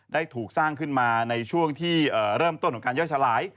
ได้ถูกสร้างขึ้นมาในช่วงที่เริ่มต้นของการย่อยสลาย